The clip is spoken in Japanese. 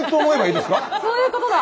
そういうことだ！